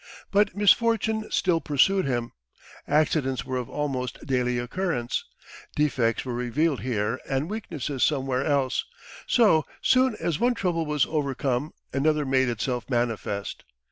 But misfortune still pursued him. Accidents were of almost daily occurrence. Defects were revealed here and weaknesses somewhere else. So soon as one trouble was overcome another made itself manifest.